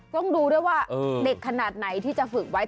ต้องดูด้วยว่าเด็กขนาดไหนที่จะฝึกไว้